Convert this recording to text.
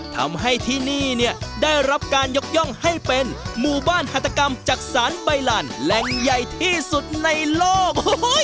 ทำให้ที่นี่เนี่ยได้รับการยกย่องให้เป็นหมู่บ้านหัตกรรมจักษานใบลานแหล่งใหญ่ที่สุดในโลก